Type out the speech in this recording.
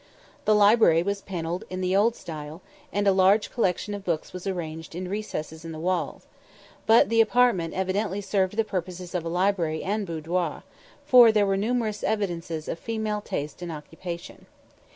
The library was panelled in the old style, and a large collection of books was arranged in recesses in the wall: but the apartment evidently served the purposes of library and boudoir, for there were numerous evidences of female taste and occupation.